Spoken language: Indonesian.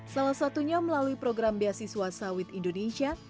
salah satunya melalui program beasiswa sawit indonesia